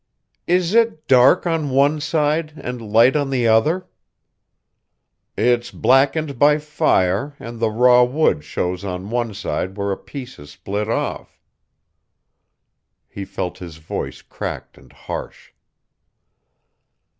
"Is it dark on one side and light on the other?" "It's blackened by fire and the raw wood shows on one side where a piece is split off." He felt his voice cracked and harsh.